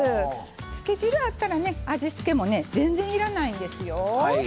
つけ汁があったら味付けも全然いらないんですよ。